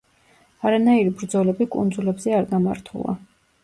არანაირი ბრძოლები კუნძულებზე არ გამართულა.